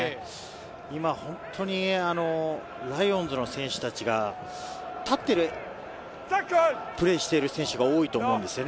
今、本当にライオンズの選手たちが、縦でプレーしている選手が多いと思うんです。